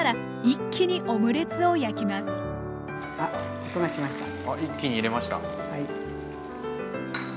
一気に入れました。